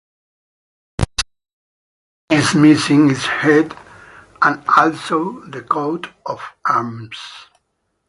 The brass effigy is missing its head and also the coat of arms.